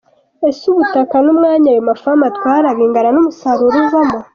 Ese ubutaka n’umwanya ayo mafamu atwara bingana n’umusaruro uvamo?